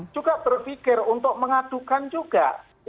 juga berpikir untuk mengadukan juga